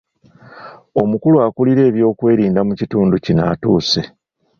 Omukulu akulira eby'okwerinda mu kitundu kino atuuse.